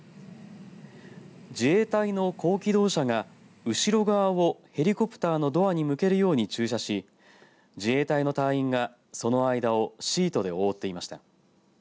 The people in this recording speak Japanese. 自衛隊の高機動車が後ろ側をヘリコプターのドアに向けるように駐車し自衛隊の隊員がその間をシートで覆っていました。